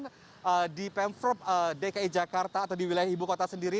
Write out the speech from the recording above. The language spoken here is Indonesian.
dan di pemprov dki jakarta atau di wilayah ibu kota sendiri